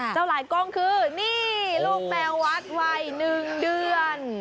หลายกล้องคือนี่ลูกแมววัดวัย๑เดือน